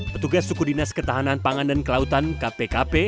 petugas suku dinas ketahanan pangan dan kelautan kpkp